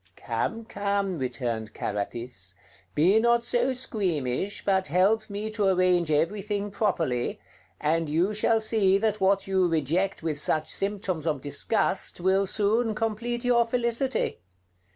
"Come, come," returned Carathis, "be not so squeamish, but help me to arrange everything properly, and you shall see that what you reject with such symptoms of disgust will soon complete your felicity.